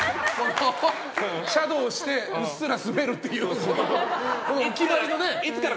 シャドウしてうっすらスベるっていう。